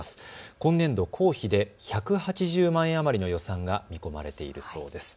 今年度、公費で１８０万円余りの予算が見込まれているそうです。